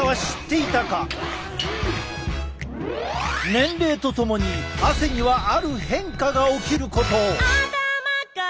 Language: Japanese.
年齢とともに汗にはある変化が起きることを。